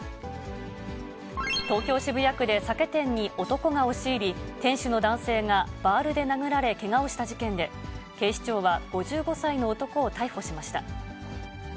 東京・渋谷区で酒店に男が押し入り、店主の男性がバールで殴られけがをした事件で、警視庁は５５歳の男を逮捕しました。